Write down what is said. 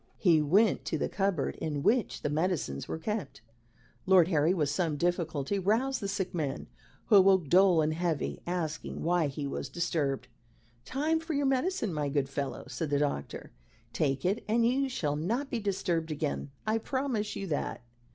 he went to the cupboard in which the medicines were kept. Lord Harry with some difficulty roused the sick man, who awoke dull and heavy, asking why he was disturbed. "Time for your medicine, my good fellow," said the doctor. "Take it, and you shall not be disturbed again I promise you that."